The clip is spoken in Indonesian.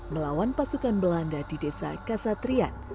melawan pasukan belanda di desa kasatrian